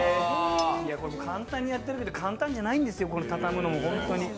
簡単にやってるけど簡単じゃないんですよ、たたむのも本当に。